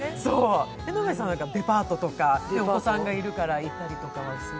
江上さんはデパートとか、お子さんがいるから行ったりする？